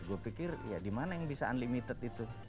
gue pikir ya dimana yang bisa unlimited itu